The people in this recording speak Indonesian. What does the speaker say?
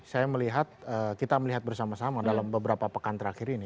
saya melihat kita melihat bersama sama dalam beberapa pekan terakhir ini